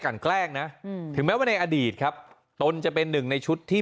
แกล้งนะถึงแม้ว่าในอดีตครับตนจะเป็นหนึ่งในชุดที่